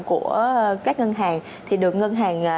của các ngân hàng thì được ngân hàng